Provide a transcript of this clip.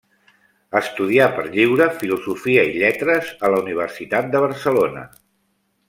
Estudià per lliure Filosofia i Lletres a la Universitat de Barcelona.